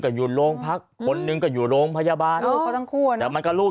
จะอยู่โรงพรรคคนนึงก็อยู่โรงพยาบาศเอาเบื้องแต่มันก็ลูก